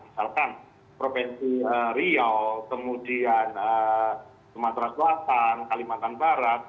misalkan provinsi riau kemudian sumatera selatan kalimantan barat